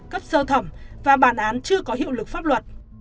cấp sơ thẩm và bản án chưa có hiệu lực pháp luật